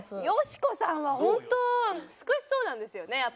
よしこさんは本当尽くしそうなんですよね。